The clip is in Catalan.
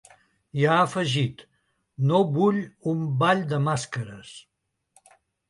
I ha afegit: ‘No vull un ball de màscares’.